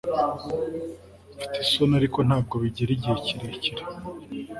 mfite isoni, ariko ntabwo bigera igihe kirekire